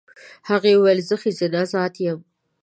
هغې وویل زه ښځینه ذات یم.